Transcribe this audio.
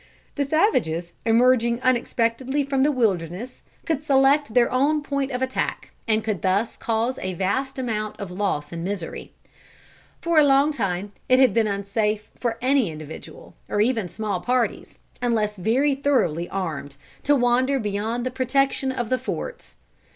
The savages, emerging unexpectedly from the wilderness, could select their own point of attack, and could thus cause a vast amount of loss and misery. For a long time it had been unsafe for any individual, or even small parties, unless very thoroughly armed, to wander beyond the protection of the forts.